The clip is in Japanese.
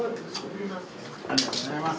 ありがとうございます。